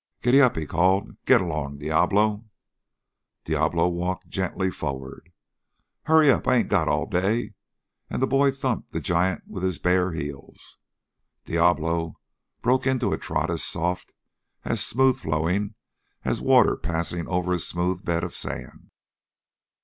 "Giddap," he called. "Git along, Diablo!" Diablo walked gently forward. "Hurry up! I ain't got all day!" And the boy thumped the giant with his bare heels. Diablo broke into a trot as soft, as smooth flowing, as water passing over a smooth bed of sand.